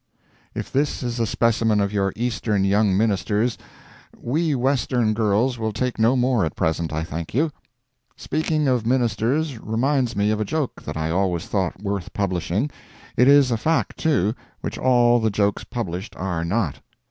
If this is a specimen of your Eastern young ministers, we Western girls will take no more at present, I thank you. Speaking of ministers reminds me of a joke that I always thought worth publishing; it is a fact, too, which all the jokes published are not.